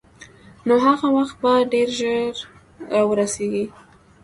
نو هغه وخت به ډېر ژر را ورسېږي.